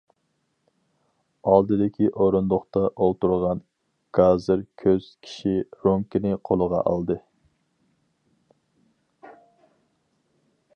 ئالدىدىكى ئورۇندۇقتا ئولتۇرغان گازىر كۆز كىشى رومكىنى قولىغا ئالدى.